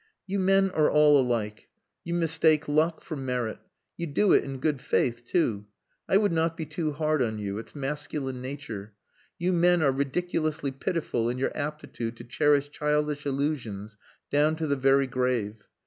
"You men are all alike. You mistake luck for merit. You do it in good faith too! I would not be too hard on you. It's masculine nature. You men are ridiculously pitiful in your aptitude to cherish childish illusions down to the very grave.